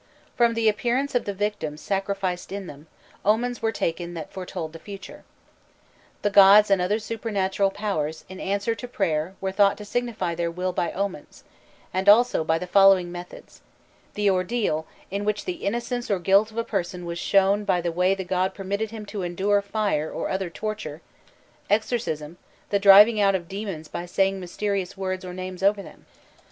From the appearance of the victims sacrificed in them, omens were taken that foretold the future. The gods and other supernatural powers in answer to prayer were thought to signify their will by omens, and also by the following methods: the ordeal, in which the innocence or guilt of a person was shown by the way the god permitted him to endure fire or other torture; exorcism, the driving out of demons by saying mysterious words or names over them.